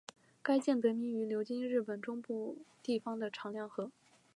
该舰得名于流经日本中部地方的长良河。